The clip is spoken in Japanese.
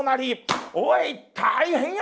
「おい大変や！